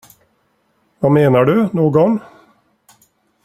Vad menar du, någon?